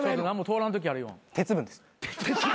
鉄分です。